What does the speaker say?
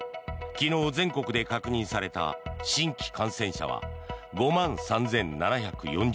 昨日、全国で確認された新規感染者は５万３７４０人。